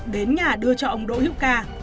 đến nhà đưa cho ông đỗ hiếu ca